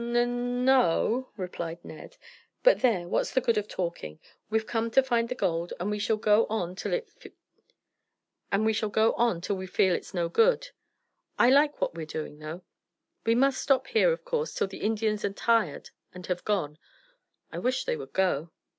"N no," replied Ned. "But there, what's the good of talking? We've come to find the gold, and we shall go on till we feel it's no good. I like what we're doing, though. We must stop here, of course, till the Indians are tired and have gone. I wish they would go."